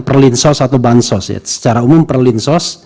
perlinsos atau bansos secara umum perlinsos